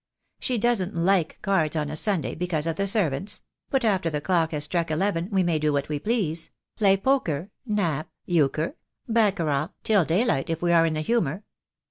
She doesn't like cards on a Sunday, because of the servants; but after the clock has struck eleven we may do what we please — play poker, nap, euchre, baccarat, till daylight, if we are in the humour.